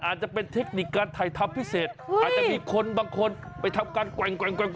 อาจจะมีคนบางคนไปทำการแกว่ง